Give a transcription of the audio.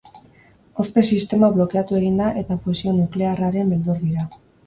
Hozte-sistema blokeatu egin da eta fusio-nuklearraren beldur dira.